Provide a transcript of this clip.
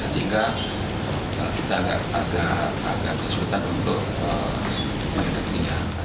sehingga kita agak agak kesulitan untuk mengaksinya